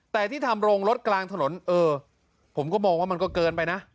แต่ที่ทำโรงรถกลางถนนเออผมก็มองว่ามันก็เกินไปนะ